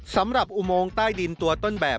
สำหรับอุโมงใต้ดินตัวต้นแบบ